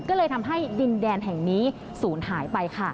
ก็เลยทำให้ดินแดนแห่งนี้ศูนย์หายไปค่ะ